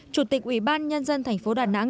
chủ tịch ủy ban nhân dân tp đà nẵng